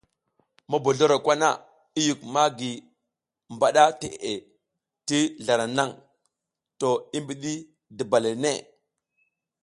Mobozloro kwana i yuk magi mbaɗa teʼe ti zlara naŋ to i mbiɗi duba le ne.